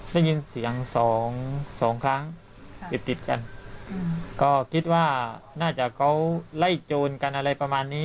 ได้ยินเสียงสองสองครั้งติดติดกันก็คิดว่าน่าจะเขาไล่โจรกันอะไรประมาณนี้